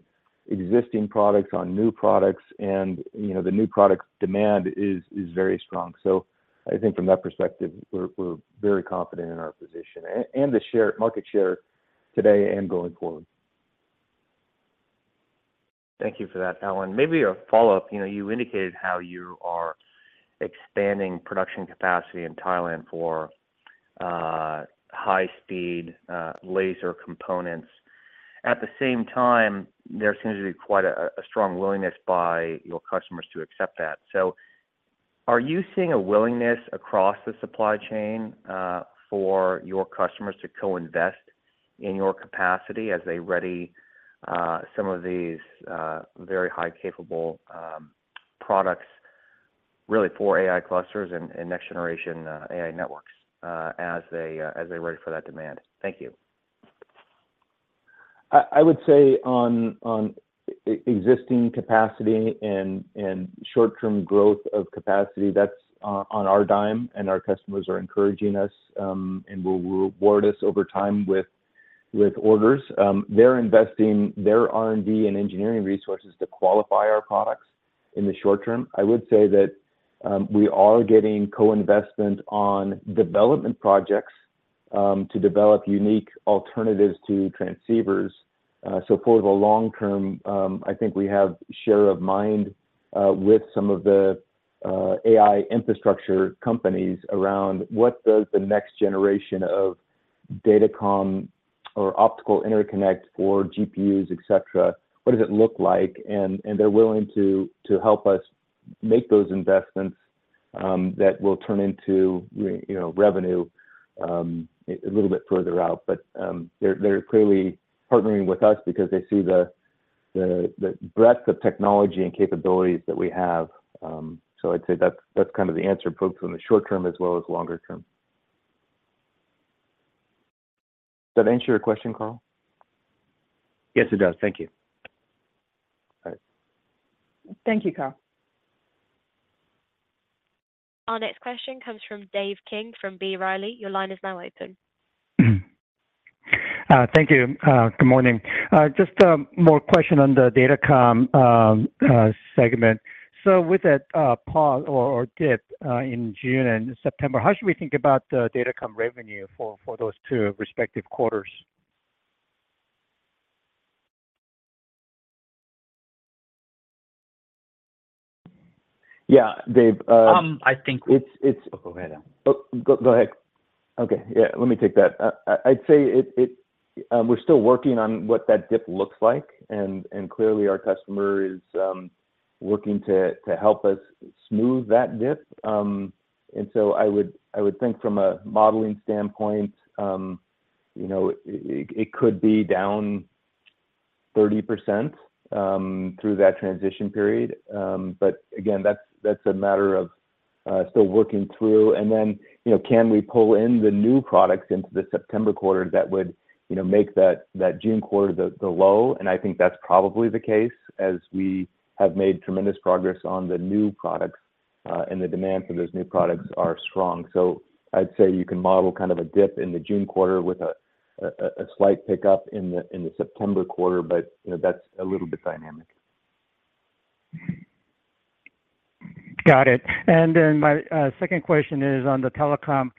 existing products, on new products, and, you know, the new product demand is very strong. So I think from that perspective, we're very confident in our position and the market share today and going forward. Thank you for that, Alan. Maybe a follow-up. You know, you indicated how you are expanding production capacity in Thailand for high speed laser components. At the same time, there seems to be quite a strong willingness by your customers to accept that. So are you seeing a willingness across the supply chain for your customers to co-invest in your capacity as they ready some of these very high capable products, really for AI clusters and next generation AI networks, as they're ready for that demand? Thank you. I would say on existing capacity and short-term growth of capacity, that's on our dime, and our customers are encouraging us and will reward us over time with orders. They're investing their R&D and engineering resources to qualify our products in the short term. I would say that we are getting co-investment on development projects to develop unique alternatives to transceivers. So for the long term, I think we have share of mind with some of the AI infrastructure companies around what does the next generation of datacom or optical interconnect for GPUs, et cetera, what does it look like? And they're willing to help us make those investments that will turn into revenue, you know, a little bit further out. But, they're clearly partnering with us because they see the breadth of technology and capabilities that we have. So I'd say that's kind of the answer, both from the short term as well as longer term. Does that answer your question, Carl? Yes, it does. Thank you. All right. Thank you, Carl. Our next question comes from Dave Kang from B. Riley. Your line is now open. Thank you. Good morning. Just more question on the datacom segment. So with that pause or dip in June and September, how should we think about the datacom revenue for those two respective quarters? Yeah, Dave, I think- It's... Oh, go ahead. Okay, yeah, let me take that. I'd say it, we're still working on what that dip looks like, and clearly our customer is working to help us smooth that dip. And so I would think from a modeling standpoint, you know, it could be down 30% through that transition period. But again, that's a matter of still working through. And then, you know, can we pull in the new products into the September quarter that would make that June quarter the low? And I think that's probably the case as we have made tremendous progress on the new products, and the demand for those new products are strong. So I'd say you can model kind of a dip in the June quarter with a slight pickup in the September quarter, but you know, that's a little bit dynamic. Got it. And then my second question is on the telecom.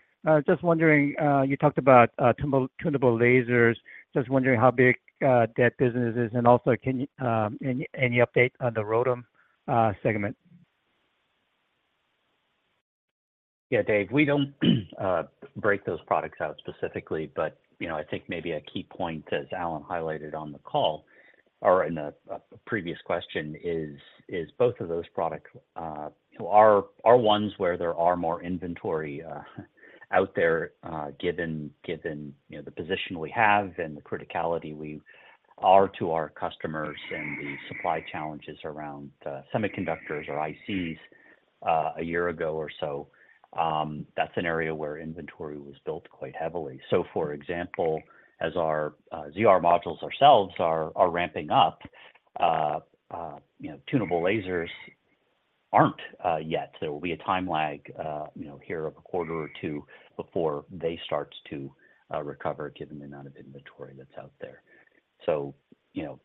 Just wondering, you talked about tunable, tunable lasers. Just wondering how big that business is, and also, can you any update on the ROADM segment? Yeah, Dave, we don't break those products out specifically, but, you know, I think maybe a key point, as Alan highlighted on the call or in a previous question, is both of those products are ones where there are more inventory out there, given, you know, the position we have and the criticality we are to our customers and the supply challenges around semiconductors or ICs a year ago or so. That's an area where inventory was built quite heavily. So, for example, as our ZR modules ourselves are ramping up, you know, tunable lasers aren't yet. There will be a time lag, you know, here of a quarter or two before they start to recover, given the amount of inventory that's out there. So, you know,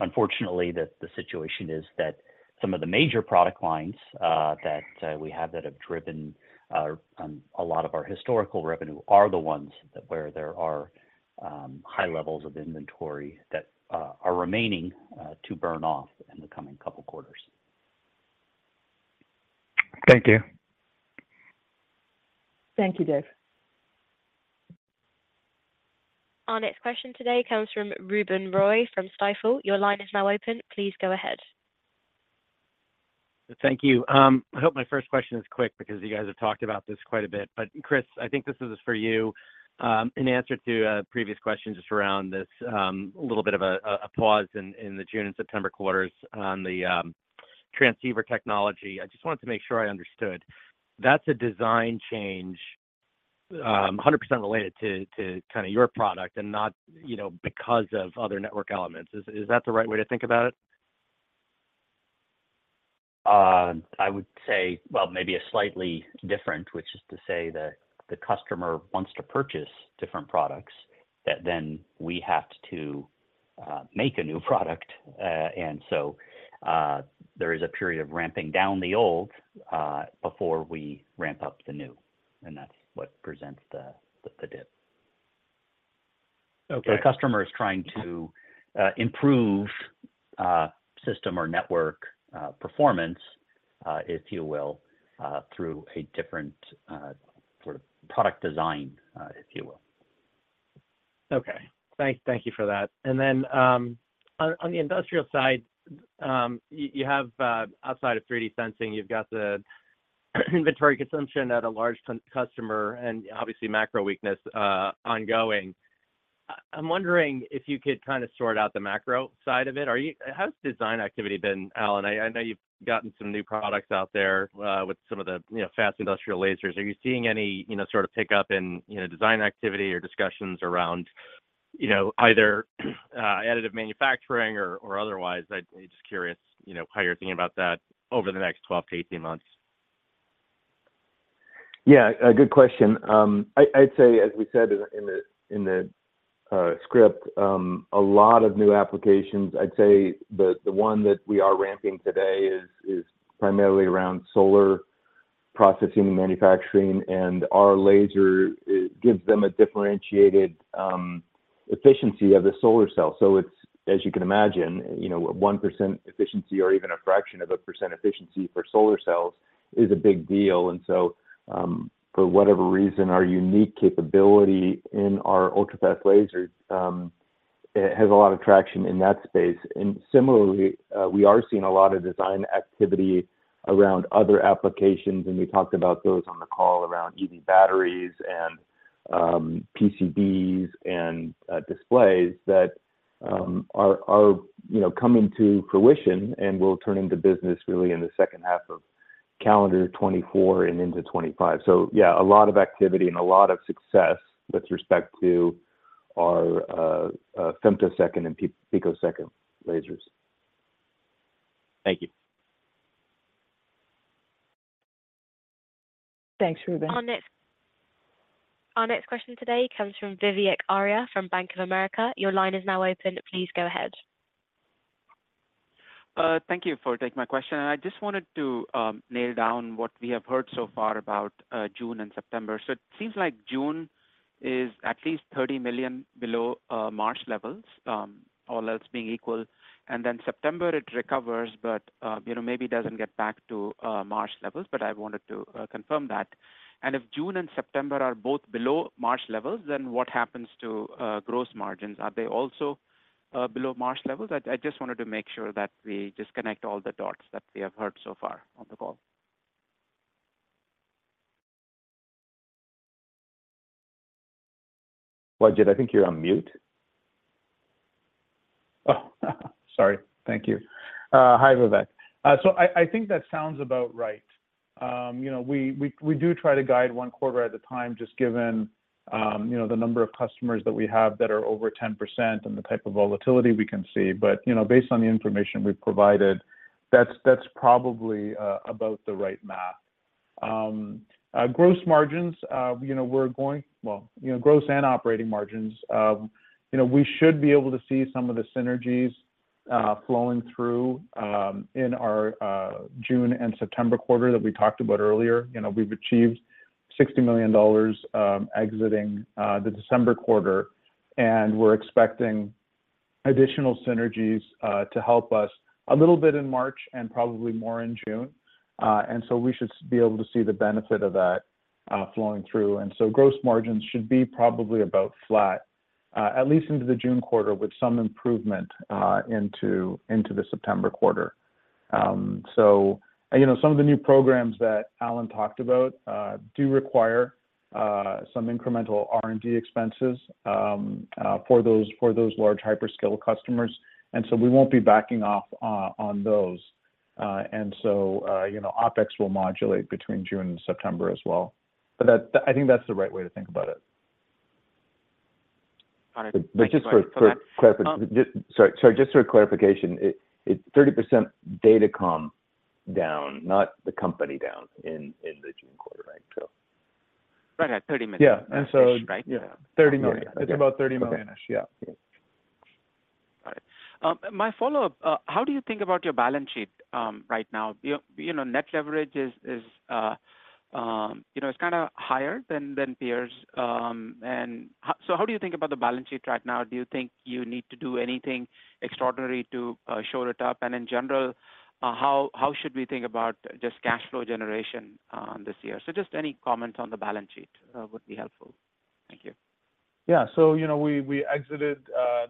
unfortunately, the situation is that some of the major product lines that we have that have driven a lot of our historical revenue are the ones that where there are high levels of inventory that are remaining to burn off in the coming couple quarters. Thank you. Thank you, Dave. Our next question today comes from Ruben Roy from Stifel. Your line is now open. Please go ahead. Thank you. I hope my first question is quick because you guys have talked about this quite a bit. But Chris, I think this is for you. In answer to a previous question, just around this, a little bit of a pause in the June and September quarters on the transceiver technology, I just wanted to make sure I understood. That's a design change, 100% related to kind of your product and not, you know, because of other network elements. Is that the right way to think about it? I would say, well, maybe a slightly different, which is to say that the customer wants to purchase different products, that then we have to make a new product. And so, there is a period of ramping down the old, before we ramp up the new, and that's what presents the dip. Okay. The customer is trying to improve system or network performance, if you will, through a different sort of product design, if you will. Okay. Thank you for that. And then, on the industrial side, you have, outside of 3D Sensing, you've got the inventory consumption at a large customer and obviously, macro weakness, ongoing. I'm wondering if you could kind of sort out the macro side of it. Are you? How's design activity been, Alan? I know you've gotten some new products out there, with some of the, you know, fast industrial lasers. Are you seeing any, you know, sort of pickup in, you know, design activity or discussions around, you know, either, additive manufacturing or otherwise? I'd just curious, you know, how you're thinking about that over the next 12 to 18 months. Yeah, a good question. I'd say, as we said in the, in the, script, a lot of new applications. I'd say the, the one that we are ramping today is, is primarily around solar processing and manufacturing, and our laser, it gives them a differentiated, efficiency of the solar cell. So it's, as you can imagine, you know, 1% efficiency or even a fraction of a percent efficiency for solar cells is a big deal. And so, for whatever reason, our unique capability in our ultrafast lasers, it has a lot of traction in that space. And similarly, we are seeing a lot of design activity around other applications, and we talked about those on the call around EV batteries and, PCBs and, displays that, you know, coming to fruition and will turn into business really in the second half of calendar 2024 and into 2025. So yeah, a lot of activity and a lot of success with respect to-... are femtosecond and picosecond lasers. Thank you. Thanks, Ruben. Our next question today comes from Vivek Arya from Bank of America. Your line is now open. Please go ahead. Thank you for taking my question. I just wanted to nail down what we have heard so far about June and September. So it seems like June is at least $30,000,000 below March levels, all else being equal, and then September it recovers, but you know, maybe doesn't get back to March levels. But I wanted to confirm that. And if June and September are both below March levels, then what happens to gross margins? Are they also below March levels? I just wanted to make sure that we just connect all the dots that we have heard so far on the call. Well, I think you're on mute. Sorry. Thank you. Hi, Vivek. So I think that sounds about right. You know, we do try to guide one quarter at a time, just given, you know, the number of customers that we have that are over 10% and the type of volatility we can see. But, you know, based on the information we've provided, that's probably about the right math. Gross margins, you know, we're going... Well, you know, gross and operating margins, you know, we should be able to see some of the synergies flowing through in our June and September quarter that we talked about earlier. You know, we've achieved $60,000,000, exiting the December quarter, and we're expecting additional synergies to help us a little bit in March and probably more in June. And so we should be able to see the benefit of that flowing through. And so gross margins should be probably about flat, at least into the June quarter, with some improvement into the September quarter. So you know, some of the new programs that Alan talked about do require some incremental R&D expenses for those large hyperscale customers, and so we won't be backing off on those. And so, you know, OpEx will modulate between June and September as well. But that, I think that's the right way to think about it. All right. Just for clarification, it's 30% datacom down, not the company down in the June quarter, right? So. Right, $30,000,000. Yeah. And so- Right? Yeah, $30,000,000. Okay. It's about $30,000,000- Okay. -ish, yeah. All right. My follow-up, how do you think about your balance sheet right now? You know, net leverage is higher than peers. And so how do you think about the balance sheet right now? Do you think you need to do anything extraordinary to shore it up? And in general, how should we think about just cash flow generation this year? So just any comments on the balance sheet would be helpful. Thank you. Yeah. So, you know, we exited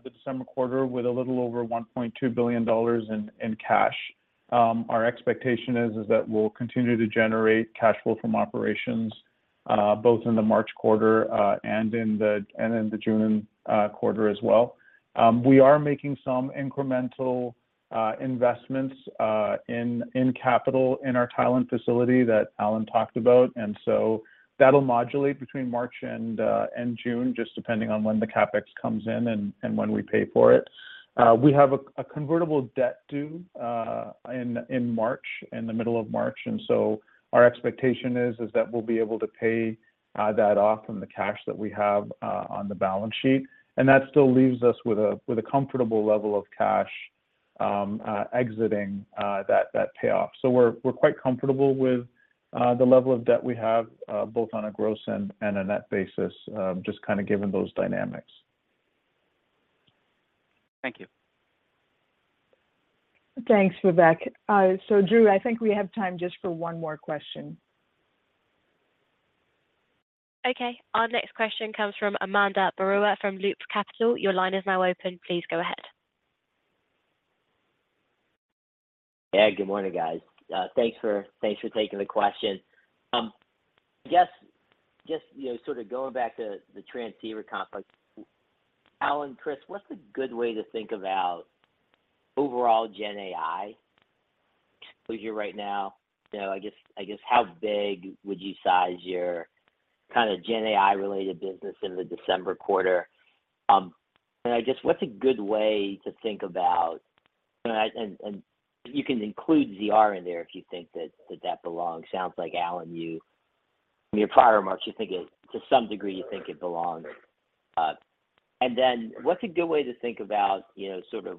the December quarter with a little over $1,200,000,000 in cash. Our expectation is that we'll continue to generate cash flow from operations both in the March quarter and in the June quarter as well. We are making some incremental investments in capital in our Thailand facility that Alan talked about, and so that'll modulate between March and June, just depending on when the CapEx comes in and when we pay for it. We have a convertible debt due in March, in the middle of March, and so our expectation is that we'll be able to pay that off from the cash that we have on the balance sheet. And that still leaves us with a comfortable level of cash exiting that payoff. So we're quite comfortable with the level of debt we have, both on a gross and a net basis, just kinda given those dynamics. Thank you. Thanks, Vivek. So Drew, I think we have time just for one more question. Okay, our next question comes from Ananda Baruah, from Loop Capital. Your line is now open. Please go ahead. Yeah, good morning, guys. Thanks for taking the question. Just, you know, sort of going back to the transceiver topict, Alan, Chris, what's a good way to think about overall Gen AI here right now? You know, I guess how big would you size your kind of Gen AI-related business in the December quarter? And what's a good way to think about... And you can include ZR in there if you think that belongs. Sounds like, Alan, you, from your prior remarks, you think it to some degree, you think it belongs. And then what's a good way to think about, you know, sort of,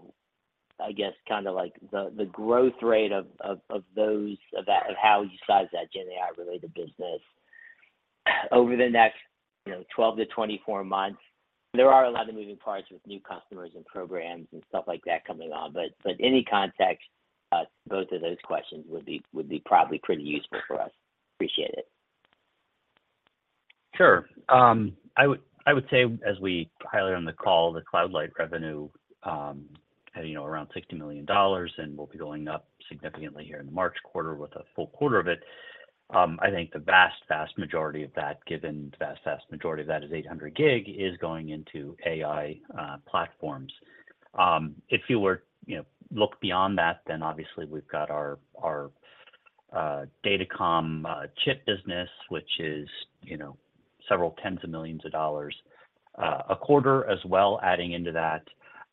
I guess, kinda like the growth rate of that, of how you size that Gen AI-related business over the next, you know, 12-24 months? There are a lot of moving parts with new customers and programs and stuff like that coming on, but any context, both of those questions would be probably pretty useful for us. Appreciate it. Sure. I would say, as we highlighted on the call, the CloudLight revenue had, you know, around $60,000,000, and will be going up significantly here in the March quarter with a full quarter of it. I think the vast, vast majority of that, given the vast, vast majority of that is 800 gig is going into AI platforms. If you were, you know, look beyond that, then obviously we've got our datacom chip business, which is, you know, several tens of millions of dollars a quarter as well, adding into that.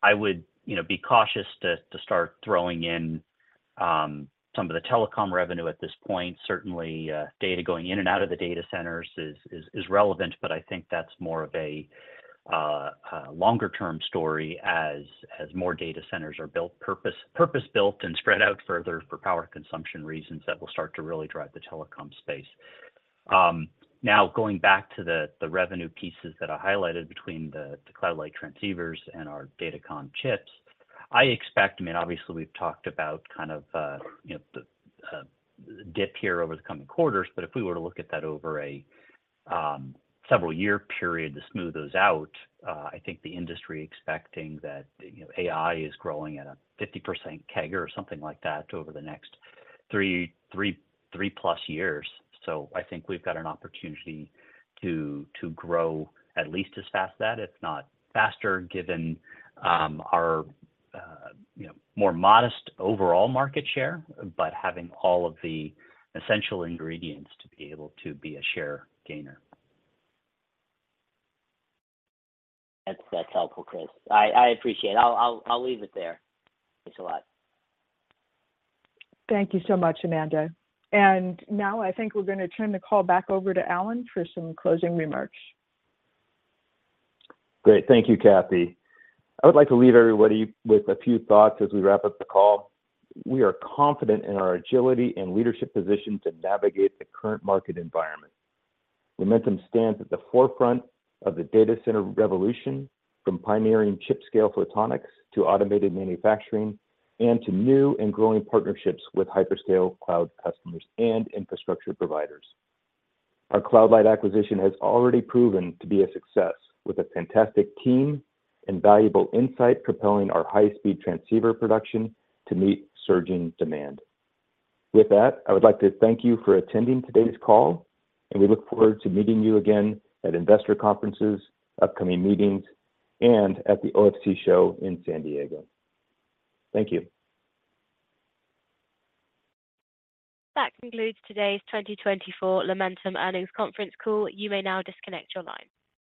I would, you know, be cautious to start throwing in some of the telecom revenue at this point. Certainly, data going in and out of the data centers is relevant, but I think that's more of a longer-term story as more data centers are built, purpose-built and spread out further for power consumption reasons that will start to really drive the telecom space. Now going back to the revenue pieces that I highlighted between the CloudLight transceivers and our datacom chips. I expect, I mean, obviously, we've talked about kind of, you know, the dip here over the coming quarters, but if we were to look at that over a several-year period to smooth those out, I think the industry expecting that, you know, AI is growing at a 50% CAGR or something like that over the next three-plus years. So I think we've got an opportunity to grow at least as fast that, if not faster, given our you know more modest overall market share, but having all of the essential ingredients to be able to be a share gainer. That's helpful, Chris. I appreciate it. I'll leave it there. Thanks a lot. Thank you so much, Ananda. And now I think we're gonna turn the call back over to Alan for some closing remarks. Great. Thank you, Kathy. I would like to leave everybody with a few thoughts as we wrap up the call. We are confident in our agility and leadership position to navigate the current market environment. Lumentum stands at the forefront of the data center revolution, from pioneering chip-scale photonics to automated manufacturing, and to new and growing partnerships with hyperscale cloud customers and infrastructure providers. Our CloudLight acquisition has already proven to be a success, with a fantastic team and valuable insight propelling our high-speed transceiver production to meet surging demand. With that, I would like to thank you for attending today's call, and we look forward to meeting you again at investor conferences, upcoming meetings, and at the OFC show in San Diego. Thank you. That concludes today's 2024 Lumentum Earnings Conference Call. You may now disconnect your line.